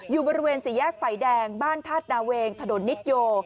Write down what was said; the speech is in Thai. อยู่บริเวณสี่แยกไฟแดงบ้านธาตุนาเวงถนนนิดโย